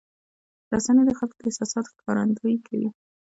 رسنۍ د خلکو د احساساتو ښکارندویي کوي.